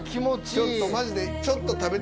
ちょっとマジで。